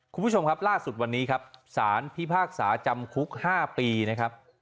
คุณผู้ชมครับล่าสุดวันนี้ครับสารพิพากษาจำคุก๕ปีนะครับ